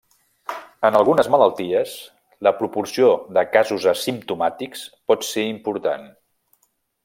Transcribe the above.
En algunes malalties, la proporció de casos asimptomàtics pot ser important.